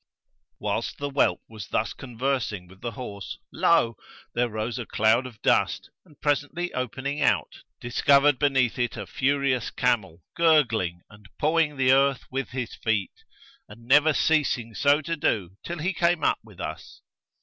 Whilst the whelp was thus conversing with the horse lo! there rose a cloud of dust and, presently opening out, discovered below it a furious camel gurgling and pawing the earth with his feet and never ceasing so to do till he came up with us.